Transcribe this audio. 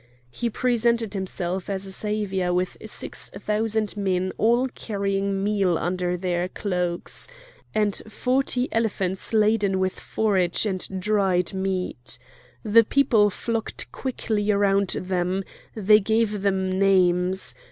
He presented himself as a saviour with six thousand men all carrying meal under their cloaks, and forty elephants laden with forage and dried meat. The people flocked quickly around them; they gave them names.